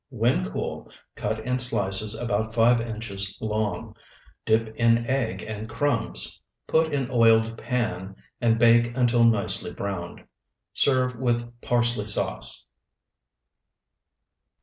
When cool, cut in slices about five inches long, dip in egg and crumbs, put in oiled pan, and bake until nicely browned. Serve with parsley sauce.